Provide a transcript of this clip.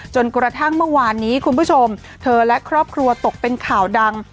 จนกระทั่งเมื่อวานนี้คุณผู้ชมเธอและครอบครัวตกเป็นข่าวดัง